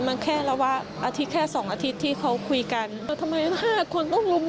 มันแค่ระวะอาทิตย์แค่สองอาทิตย์ที่เขาคุยกันเออทำไมห้าคนต้องลุม